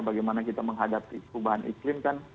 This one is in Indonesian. bagaimana kita menghadapi perubahan iklim kan